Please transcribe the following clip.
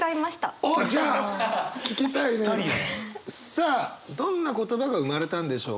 さあどんな言葉が生まれたんでしょうか？